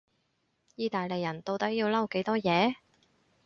意大利人到底要嬲幾多樣嘢？